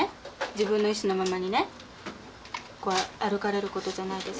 自分の意志のままにね歩かれることじゃないですか？